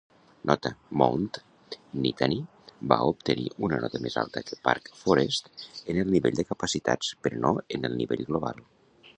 Nota: Mount Nittany va obtenir una nota més alta que Park Forest en el nivell de capacitats però no en el nivell global.